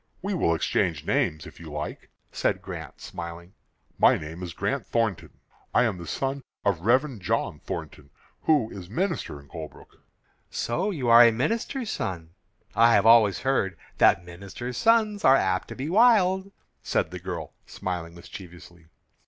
"We will exchange names, if you like," said Grant, smiling. "My name is Grant Thornton. I am the son of Rev. John Thornton, who is minister in Colebrook." "So you are a minister's son. I have always heard that minister's sons are apt to be wild," said the girl, smiling mischievously.